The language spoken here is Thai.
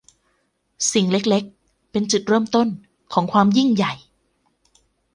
สิ่งเล็ก ๆ เป็นจุดเริ่มต้นของความยิ่งใหญ่